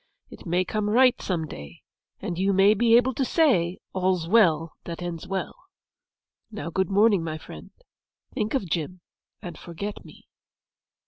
It may come right some day, and you may be able to say "All's well that ends well." Now, good morning, my friend. Think of Jim, and forget me.